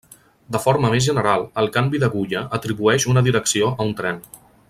De forma més general, el canvi d'agulla atribueix una direcció a un tren.